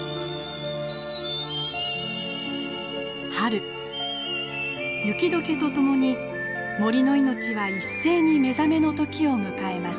春雪解けと共に森の命は一斉に目覚めの時を迎えます。